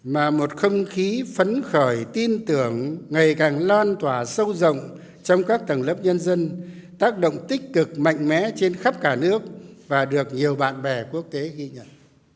mà một không khí phấn khởi tin tưởng ngày càng lan tỏa sâu rộng trong các tầng lớp nhân dân tác động tích cực mạnh mẽ trên khắp cả nước và được nhiều bạn bè quốc tế ghi nhận